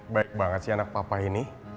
baik banget si anak papa ini